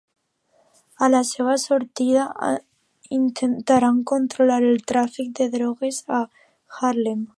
A la seva sortida, intentaran controlar el tràfic de drogues a Harlem.